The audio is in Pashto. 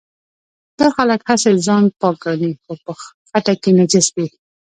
دا خلک هسې ځان پاک ګڼي خو په خټه کې نجس دي.